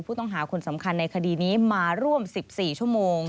ผู้ต้องหาคนสำคัญในคดีนี้มาร่วม๑๔ชั่วโมง